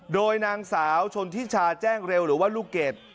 โดยนางสาวชนทิชาแจ้งเร็วหรือว่าลูกเกด